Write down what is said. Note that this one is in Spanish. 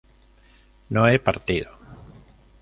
no he partido